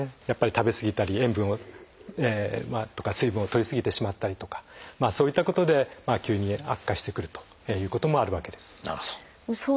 やっぱり食べすぎたり塩分とか水分をとりすぎてしまったりとかそういったことで急に悪化してくるということもあるわけです。